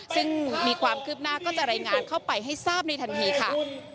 ซึ่งมีความคืบหน้าก็จะรายงานเข้าไปให้ทราบในทันทีค่ะ